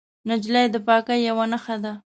نجلۍ د پاکۍ یوه نښه ده.